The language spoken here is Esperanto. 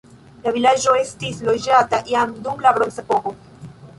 La vilaĝo estis loĝata jam dum la bronzepoko.